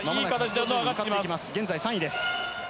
現在、３位です。